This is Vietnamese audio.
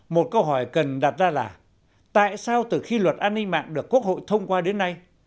một câu hỏi cần đặt ra là tại sao từ khi luật an ninh mạng được quốc hội thông qua đến nay